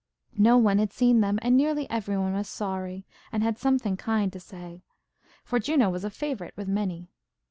No one had seen them, and nearly every one was sorry, and had something kind to say, for Juno was a favorite with many.